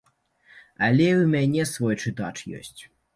Але і ў мяне свой чытач ёсць.